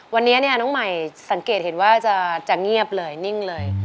วันนี้น้องใหม่สังเกตเห็นว่าจะเงียบเลยนิ่งเลย